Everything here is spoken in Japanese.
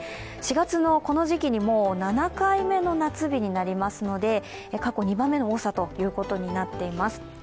４月のこの時期にもう７回目の夏日になりますので過去２番目の多さということになっています。